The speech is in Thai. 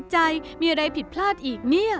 ไม่นะฉันเริ่มคิดในใจมีอะไรผิดพลาดอีกเนี่ย